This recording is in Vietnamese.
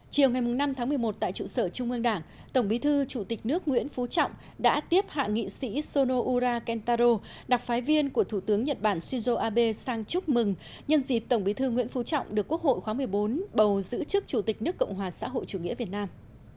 chiều ngày năm tháng một mươi một tại trụ sở trung ương đảng tổng bí thư chủ tịch nước nguyễn phú trọng đã tiếp hạ nghị sĩ sono ura kentaro đặc phái viên của thủ tướng nhật bản shinzo abe sang chúc mừng nhân dịp tổng bí thư nguyễn phú trọng được quốc hội khóa một mươi bốn bầu giữ chức chủ tịch nước cộng hòa xã hội chủ nghĩa việt nam